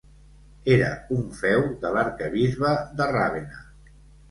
Era un feu de l'arquebisbe de Ravenna.